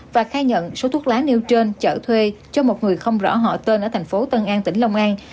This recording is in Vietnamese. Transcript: và khai nhận số thuốc lá nêu trên chở thuê cho một người không rõ họ tên ở thành phố tân an tỉnh long an